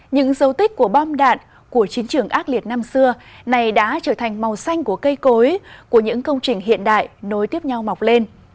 những dấu tích của bom đạn của chiến trường ác liệt năm xưa này đã trở thành màu xanh của cây cối của những công trình hiện đại nối tiếp nhau mọc lên